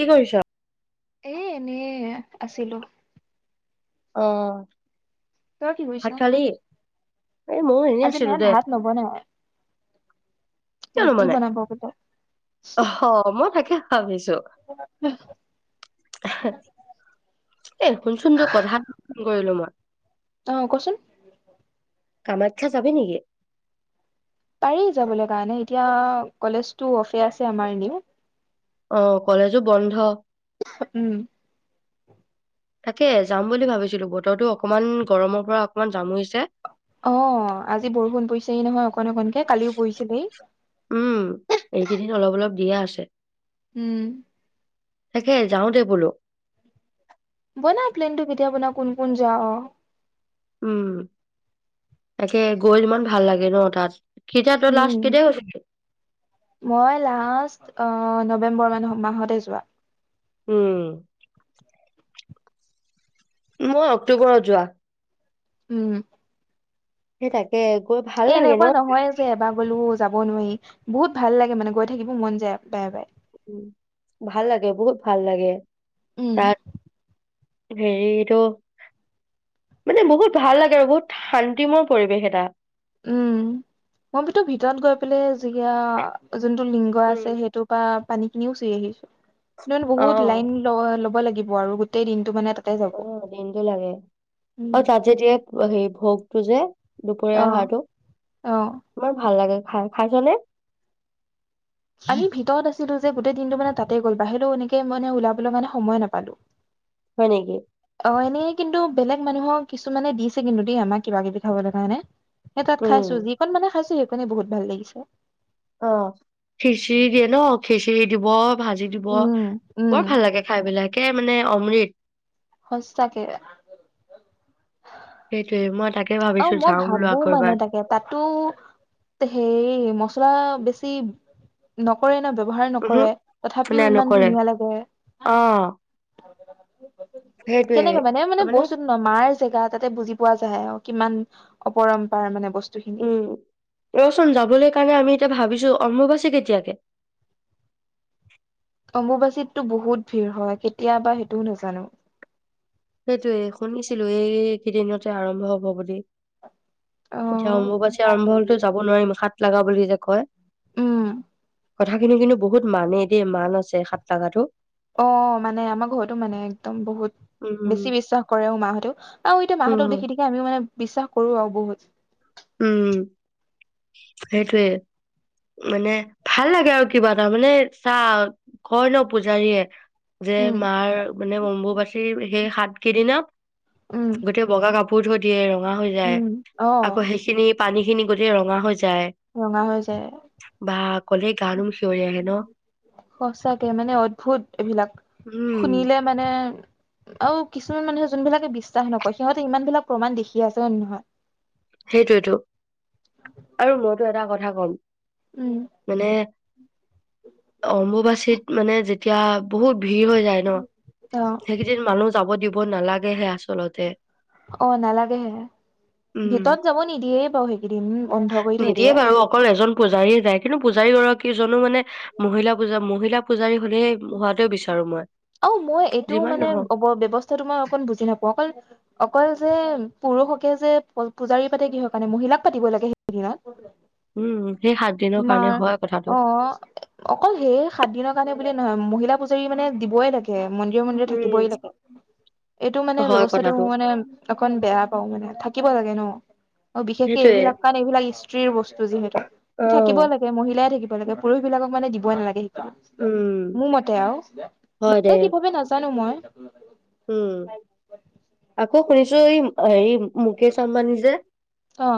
কি কৰিছ? এ এনে আছিলো। অ তই কি ভাত কৰিছ? খালি? এ ময়ো এনে আজি আছিলো মায়ে দে, ভাত নবনাই কিয় ৰুটি নবনাই বনাব বোলে অ হ মই তা ভাবিছোঁ এ শুনচোন কথা এটাত ফোন কৰিলো মই অ কচোন কামাখ্যা যাবি নেকি? পাৰি যাবলৈ কাৰণে এতিয়া কলেজটো অফে আছে আমাৰ এনেও। অ কলেজো বন্ধ। উম তাকে যাম বুলি ভাবিছিলো বতৰটো অকনমান গৰমৰ পৰা অকমান জাম অ আজি বৰষুণ পৰিছেই নহয় অকন অকনকে কালিও উম, পৰিছিলেই। এইকেইদিন অলপ অলপ দিয়ে আছে। উম তাকে যাওঁদে বোলো বনা প্লেনতটো কেতিয়া বনা কোন কোন যা অ। উম তাকে গৈ ইমান ভাল লাগে ন তাত তই লাষ্ট উম কেতিয়া গৈছিলি? মই লাষ্ট অ নৱেম্বৰ মান মাহতে যোৱা। উম মই অক্টোবৰত যোৱা উম সেই তাকে। গৈ ভাল এ লাগে ন? এনেকুৱা নহয় যে এবাৰ গ'লো যাব নোৱাৰি বহুত ভাল লাগে মানে গৈ থাকিবও মন যায়, বাৰে বাৰে। উ ভাল লাগে বহুত ভাল লাগে। উম তাত হেৰিটো মানে বহুত ভাল লাগে আৰু বহুত শান্তিময় পৰিৱেশ এটা। উম মই ভিতো ভিতৰত গৈ পেলাই যেতিয়া, যোনটো লিংগ উম। আছে সেইটোৰ পা পানী খিনিও চুই আহিছো। নহলে বহুত অ', লাইন ল ল'ব লাগে। দিব আৰু গোটেই দিনটো মানে। তাতে যাব। অ দিনটো লাগে উম, আৰু তাত যেতিয়া হে ভোগ টো যে দুপৰীয়া অ', আহাৰটো, অ', আমাৰ ভাল লাগে। হাই ফাই চলে। আমি ভিতৰত আছিলো যে, গোটেই দিনটো মানে তাতে গ'ল বাহিৰলও এনেকে মানে ওলাবলৈ মানে সময়ে নাপালো। হয় নেকি? অ', এনেই কিন্তু বেলেগ মানুহক কিছুমানে দিছে কিন্তু দেই আমাক কিবা কিবি খাবলৈ কাৰণে। সেই তাত উম, খাইছো। যিকণ মানে খাইছো সেই মানে বহুত ভাল লাগিছে। অ', খিচিৰি দিয়ে ন, খিচিৰি দিব ভাজি দিব, উম, উম, বৰ ভাল লাগে খাই বিলাকে মানে অমৃত। সচাঁকে। সেইটোয়ে মই তাকে আও ভাবিছো মই যাওঁ বোলো ভাবো আকৌ মানে এবাৰ তাকে তাতো হেই মছলা বেছি ছি নকৰে ন বব ব্যৱহাৰ উহো নকৰে, তথাপিও নাই ইমান নকৰে ধুনীয়া লাগে। অ'। সেইটোয়ে কেনেকে মানে মানে বস্তু ন মাৰ জেগা তাতে বুজি পোৱা যায় আৱ। কিমান অপৰম্পাৰ মানে বচ উ', ৰচোন যাবলৈ কাৰণে আমি ভাবিছো অম্মবাচী কেতিয়াকে? অম্বুবাচীততো বহুত ভিৰ হয় কেতিয়া বা সেইটোও নাজানো। সেইটোয়ে শুনিছিলো এইকেইদিনতে আৰম্ভ হব বুলি। অ এতিয়া অম্বুবাচী আৰম্ভ হলেতো যাব নোৱাৰিম ষাঁঠ লগা বুলি যে কয়। উম কথাখিনি কিন্তু বহুত মানে দেই মান আছে ষাঁঠ লগাটো। অহ মানে আমাৰ ঘৰতো মানে একদম বহুত বেছি উম, বিশ্বাস কৰে অহ মা'হতেও আৰু এতিয়া মাহতক উম, দেখি দেখি আমিও মানে বিশ্বাস কৰো আৰু বহুত। [unintelligible] উম সেইটোৱে মানে ভাল লাগে আৰু কিবা এটা মানে চা, কয় নহ পূজাৰীয়ে যে উম মাৰ মানে অম্বুবাসীৰ সেই ষাঁঠ কেইদিনা উম গোটেই বগা কাপোৰ সুুধু দিয়েও ধোৱা হৈ যায়, উম অ আকৌ সেইখিনি পানী খিনি গোটেই ৰঙা হৈ যায় ৰঙা হৈ যায় বাহ কলেক সচাঁকে মানে অদ্ভুত এইবিলাক। উম, শুনিলে মানে এহ হ কিছুমান মানুহে জোনবিলাকে বিশ্বাস নকৰে সিহঁতে ইমান বিলাক প্ৰমাণ দেখি আছে হয় নে নহয়? সেইটোৱেটো আৰু মইতো এটা কথা ক হ'ল উম, মানে অম্বুবাচীত মানে যেতিয়া বহুত ভিৰ হৈ যায় নহ অ', সেইকেইদিন মানুহ যাব দিব ক'ব নালাগেহে আচলতে অহ নালাগেহে উম ভিতৰত যাব নিদিয়ে বাৰু সেইকেইদিন বন্ধ কৰি থৈ নিদিয়ে দিয়ে। বাৰু অকল এজন পূজাৰী যায় কিন্তু পূজাৰী গৰাকী কিজনো মানে মহিলা পূজা মহিলা পূজাৰী হলে হোৱাটোৱে বিচাৰো মই অহ, মই এইটো যিমান মানে নহওক অহ ব্যৱস্থাটো মই অকণ বুজি নাপাওঁ অকল অকল যে পুৰুষকে যে পূজাৰী পাতে কিহৰ কাৰণে মহিলাক পাতিব লাগে সেইদিনত উম সেই সাত দিনৰ কাৰণে মাৰ হয় কথাটো অ অকল সেই সাত দিনৰ কাৰণে বুলি নহয় মহিলা পুজাৰী মানে দিবই লাগে মন্দিৰে মন্দিৰে উম থাকিবই লাগে এইটো মানে হয় ব্যৱস্থাটো কথাটো মই মানে অকন বেয়া পাওঁ মানে থাকিব লাগে নহ বিশেষকে সেইটোৱে এইবিলাক কাৰণ এইবিলাক স্ত্ৰীৰ বস্তু যিহেতু তহ অ থাকিব লাগে মহিলাই থাকিব লাগে পুৰুষ বিলাকক মান দিবই নালাগে উম মোৰ মতে আৰু হয় দে বাকীয়ে কি ভাবে নাজানো মই উম আকৌ শুনিছো এই হেৰি মুকেশ আম্বানী যে, অ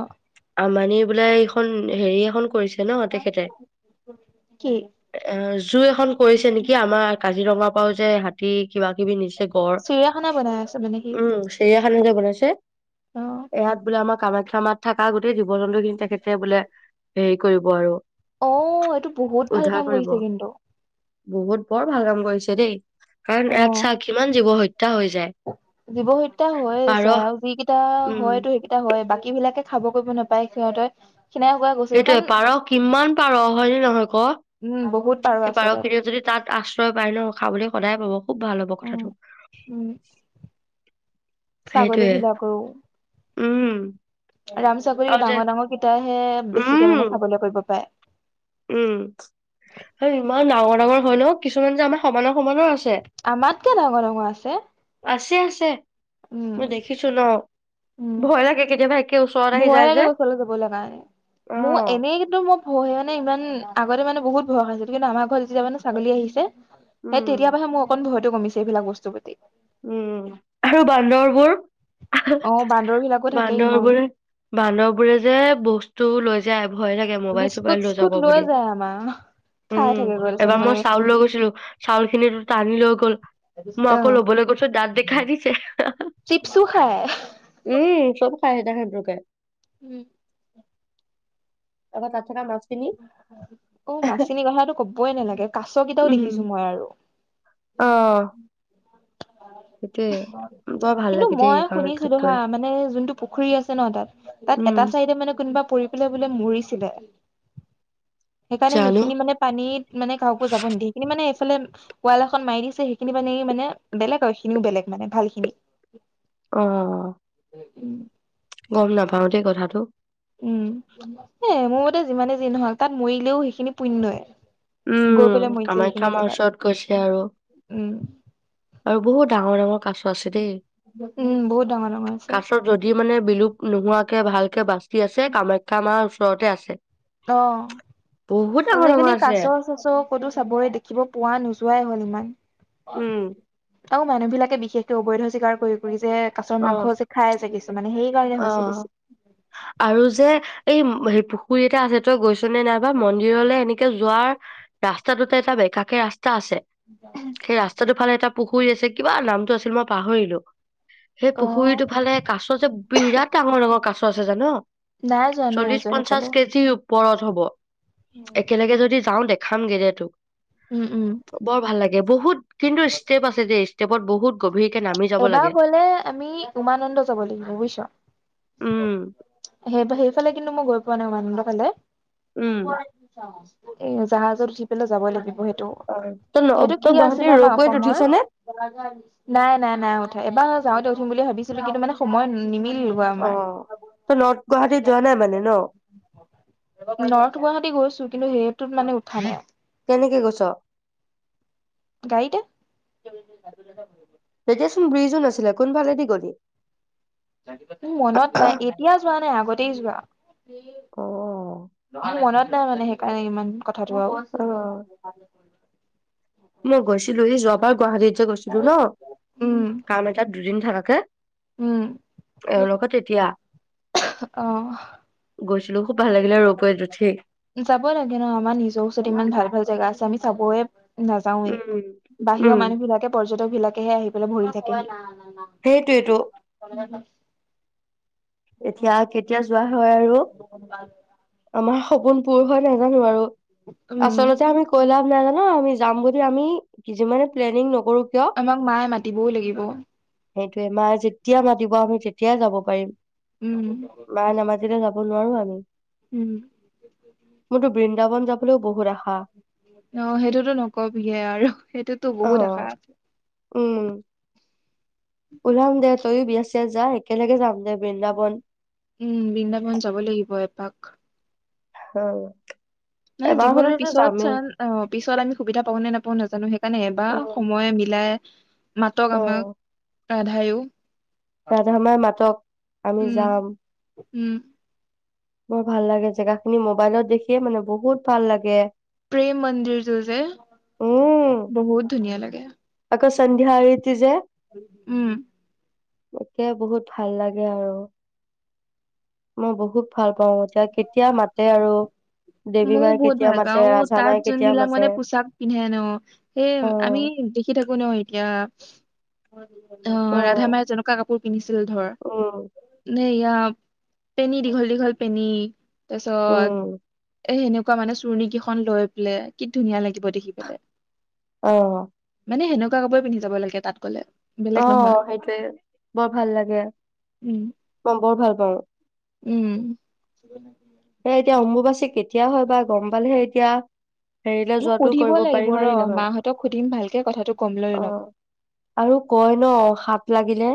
আমা নিৰবোলাই এইখন, হেৰি এখন কৰিছিল ন তেখেতে, কি এ জুই এখন কৰিছে নেকি আমাৰ কাজিৰঙা পও যে হাতীক কিবা-কিবি নি চিৰিয়াখানা বনাই আছে মানে সি? [unintelligible] বনাইছে। অ এহাত বুলামা। কামাখ্যা মাত থকা গোটেই দি [unintelligible] তেখেতে বোলে হেৰি কৰিব আৰু অ' এইটো বহুত ভাল উদ্ধাৰ কাম কৰিব কৰিছে কিন্তু। বহুত, বৰ ভাল কাম কৰিছে দেই। কাৰণ অ ইয়াত চা কি জীৱ হতা হৈ পাৰ আছে আৰু যিকেইটা উম হয়তো সেইকেইটা হয় বাকী এইবিলাকে খাব কৰিব নাপায় সিহঁতে খিনাই শুকাই গৈছেগৈ কাৰণ সেইটোয়ে পাৰ' কিমান পাৰ' হয়নে নহয়, কো? উম বহুত পাৰ সেই আছে তাত পাৰ'খিনিয় যদি তাত আশ্ৰয় পায় ন খাবলৈ সদায় পাব। খুব ভাল হ'ব উম কথাটো। উম ছাগলী সেইটোয়ে ভিলা কৰো। উম ৰামচাকৰি আৰু যে ডাঙৰ-ডাঙৰ কেইটাইহে উম বেছিকে মানে খাবলৈ কৰিব পায়। উম, আৰু ইমান ডাঙৰ ডাঙৰ হয় ন? কিছুমানা যে আমাৰ সমানৰ, সমানৰ আছে আমাতকে ডাঙৰ-ডঙৰ আছে। ছে উম মই দেখিছো ন, ভয় লাগে, কেতিয়াবা একে ওচৰত আহি ভয়ে যায় যে লাগে ওচৰলৈ যাবলৈ কাৰণে, অ মোৰ এনেই কিন্তু মই ভয়ে মানে ইমান আগতে মানে বহুত ভয় খাইছিল, কিন্তু আমাৰ ঘৰত যেতিয়া মানে ছাগলী আহিছে। সেই উম তেতিয়াৰ পৰাহে মোৰ অকণ ভ কমিছে এইবিলাক বস্তুৰ প্ৰতি। উম, আৰু বান্দৰবোৰ? অ বান্দৰ বিলাকো থাকে ইমান বান্দৰবোৰে, বান্দৰ বোৰে যে বস্তু লৈ যা ভয় লাগে বিস্কুট মোবাইল-চোবাইল লৈ যাব চিস্কুট বুলি। যায় আমাৰ খাই উম, থাকে গৈ তাৰপিছত এবাৰ মই মানে চাউল লৈ গৈছিলো, চাউল খিনি টানি লৈ গ'ল, মই অ আকৌ ল'বলৈ ওঠ-চত দাঁত দেখাই দিছে। চিপছো খায় উম, চব ফাইদা হয় [unintelligible] উম। এবা তাত থকা মা ও, মাচিনী কথাটো ক'বই নালাগে। কাচ টো কেইটাও উম দেখিছো মই আৰু। অ সেইটোয়ে বৰ ভাল কিন্তু লাগে দেই মই কামাখ্যাত শুনিছিলো গৈ হা, মানে যোনটো পুখুৰী আছে ন তাত, তাত উম এটা চাইদে মানে কু কোনবা পৰি পেলাই বোলে মৰিছিলে। সেইকাৰণে জানো সেইখিনি মানে পানীত, মানে কাকো যাব নিদি। সেইখিনি মানে ফালে, ৱাল এখন মাৰি দিছে। সেইখিনি মানে-ই-মানে বেলেগ আৰু সেইখিনিও বেলেগ মানে ভাল খিনি। অ'। [unintelligible] গম নাপাওঁ দেই কথাটো। উম। এই মুত তই যিমানে যি নহওক, তাত মৰিলেও সেইখিনি পুণ্যই। গৈ পেলাই উম, মৰিছে সেইখিনি কামাখ্যা মাৰ জেগাত ওচৰত গৈছে আৰু। উম আৰু, বহুত ডাঙৰ-ডাঙৰ কাছ আছে দেই। উম বহুত ডাঙৰ ডাঙৰ আছে কাছ যদি মানে বিলুপ নোহোৱাকে ভালকে বাচি আছে, কামাখ্যা মাৰ ওচৰতে আছে। অ', বহুত ডাঙৰ ডাঙৰ আজিকালি আছে কাছ-চাছ তো, ক'তো চাবই দেখিব পোৱা নোযোৱাই হ'ল ইমান। উম। আৰু মানুহ বিলাকে বিশেষকৈ অবৈধ চিকাৰ কৰি ফুৰি যে, কাছৰ অ মাংস যে খাই যে কিছুমানে, সেই কাৰণে অ হৈছে বেছি। এই-উম-হেৰি পুখুৰী এটা আছে, তই গৈছ নে নাই বা? মন্দিৰলে এনেকে যোৱাৰ ৰাস্তাটোতে এটা বেকাকে ৰাস্ তা আছে। সেই ৰাস্তাটো ফালে এটা পুখুৰী আছে কিবা নামটো আছিল, মই পাহৰিলো। সেই অ' পুখুৰীটো ফালে কাছ যে, বিৰাট ডাঙৰ ডাঙৰ কাছ দশ হাজাৰ ন? নাই যোৱা নাই যোৱা চল্লিশ, পঞ্চাশ সেইফালে। কেজি ওপ পৰত হ'ব। একেলগে যদি যাওঁ দে। খামগে দে তোক উম, উম। বৰ ভাল লা বহুত কিন্তু ইষ্টেপ আছে দেই। ইষ্টেপ বহুত গভীৰ নামি যাব এবাৰ লাগে। গ'লে আমি উমানন্দ যাব লাগিব। বুজিছ? উম -সেইফা সেইফালে কিন্তু মই গৈ পোৱা নাই উমানন্দ ফালে। গৈ উম পোৱা নাই নেকি [unintelligible] এ' জাহাজত উঠি পেলাই যাবই লাগিব, সেই অ তই ন সেইটো কি তই আছিলে গুৱাহাটীৰ জান' ৰৌপৱেত অসমৰ? উঠিছ নে নাই নাই। নাই উঠা এবাৰ যাওঁতে উঠিম বুলি ভাবিছিলো, কিন্তু মানে সময় নিমিলিল অ'। তই নৰ্থ গুৱাহাটীত যোৱা নাই মানে ন? নৰ্থ গুৱাহাটী গৈছো কিন্তু সেইটোত মানে উঠা নাই। কেনেকৈ গৈ? গাড়ীতে। তেতিয়াচোন ব্ৰিজো নাছিলে, কোনফালেদি গ'লি? তোৰ মনত নাই এতিয়া যোৱা নাই আগত তিৰিচ বা অ অ আ মনত এটা মানে সেইকাৰণে ইমান কথাটো অ মই গৈছিলোহে যোৱা হয় গুৱাহাটীত গৈছিলো ন উম কাম এটাত দুদিন থাকাকে উম এওঁৰ লগত এতিয়া অ গৈছ যাব লাগে ন আমাৰ নিজৰ ওচৰত ইমান ভাল ভাল জেগা আছে আমি চাবয়ে উম, নাযাওৱে উম, বাহিৰৰ মানুহ বিলাকে পৰ্যটক বিলাক তাকেহে আহি পেলাই ভৰি থাকে [unintelligible] সেইটোৱেতো এতিয়া কেতিয়া যোৱা হয় আৰু আমাৰ সপোন পূৰ হয় নাজানো আৰু উম আচলতে আমি কৈলা নজানো আমি যাম বুলি আমি কিছুমান প্লেনিং নকৰো কিয় আমাক মায়ে মাতিবও লাগিব সেইটোয়ে মায়ে যেতিয়া মাতিব আমি তেতিয়া যাব পাৰিম উম মায়ে নামাতিলে যাব নোৱাৰো আৰু উম উম। বৃন্দাবন যাবলৈও বহুত আশা অ সেইটোতো নকবিহে আৰু সেইটোতো বহুত আশা অ', আছে উলাম দে তইয়ও বিযা যা একেলগে যাম দে বৃন্দাবন উম বৃন্দাবন যাব লাগিব এপাক অ ন এবাৰ জীৱনত হ'লেতো পিছত যামেই চান অ পিছত আমি সুবিধা পাওঁ নে নাপাওঁ নাজানো কাৰণে এবাৰ অ', সময় মিলাই মাতক আমাক ৰাধায়ো ৰাধাামাই মাতক, আমি উম, যাম। উম। বৰ ভাল লাগে জেগা খিনি মোবাইলত দেখিয়ে মানে বহুত ভাল লাগে। প্ৰেম মন্দিৰটো যে, বহুত ধুনীয়া লাগে। কসংন্ধ্যিতি যে উম। একে বহুত ভাল লাগে আৰু, মই বহুত ভাল পাওঁ। এতিয়া কেতিয়া মাতে আৰু দেৱী মইও মায়ে বহুত কেতিয়া ভাল মাতে পাওঁ। ৰাধা তাত মায়ে কেতিয়া যোনবিলাক মাতে মানে পোঁচাক পিন্ধে ন, সেই অ আমি [unintelligible] শুই থাকো ন এতিয়া অ অঁ ৰাধা মায় জেনকা কাপোৰ চিল ধৰ উম এতিয়া পেনী দীঘল দীঘল পেনী উম তা'ছত এ' সেনেকুৱা মানে চুৰণি কেইখন লৈ পেলায়, কি ধুনীয়া লাগিব দেখি পেলাই। অঁ। মানে হেনেকুৱাকাপোৰে পিন্ধি যাব লাগে তাত গ'লে। বেলেগ অ নহয় সেইটোৱে বৰ ভাল লাগে উম, ম বৰ ভাল পাওঁ। উম। সে এতিয়া অম্বুবাচী কেতিয়া হয় বা গম পালেহে এতিয়া। হেৰিলৈ মোক যোৱাটো সুধিব কৰিব পাৰি লাগিব ৰ' হয় নহয় মাহঁতক সুধিম ভালকে কথাটো গম লৈ অ ল'ম আৰু কয় ন হাত লাগিলে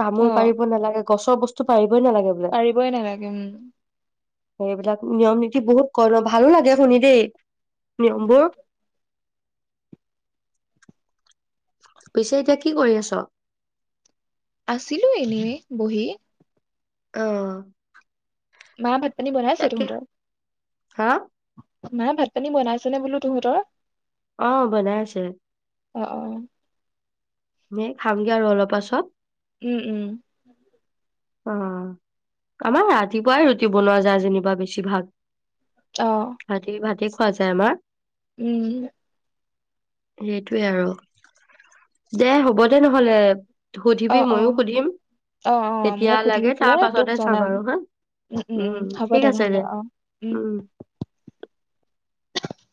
তামোল অ' পাৰিব নালাগে। গছৰ বস্তু পাৰি। পাৰিবই নালাগে উম। এইবিলাক নিয়ম নীতি বহুত কৰ ভালো লাগে শুনি দেই। নিয়মবোৰ। পিছে এতিয়া কি কৰি আছ। আছিলো এনেই বহি। অহ। মা ভাত। আপুনি বনাইছে তহঁতৰ। হা। মা ভাত পানী বনাইছেনে বোলো তহঁতৰ। অ বনাইছে। অ, অ। এ খামগে আৰু অলপ পাছত। উম, উম। অ আমাৰ ৰাতিপুৱাই ৰুটি বনোৱা যায় যেনিবা বেছিভাগ। অ ভাতে ভাতে। খোৱা যায় আমাৰ। উম। সেইটোৱে আৰু দে হ'ব দে নহলে। অ সুধিবি অ ময়ো সুধিম। অ অ ময়ো দিয়া সুধি লাগে তাৰ পেলাই তোক পাছতে চাম জনাম আৰু হা উম ঠিক আছে দে উম।